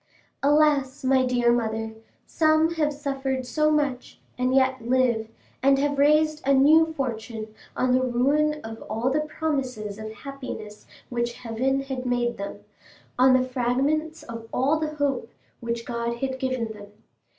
Alas, my dear mother, some have suffered so much, and yet live, and have raised a new fortune on the ruin of all the promises of happiness which heaven had made them—on the fragments of all the hope which God had given them!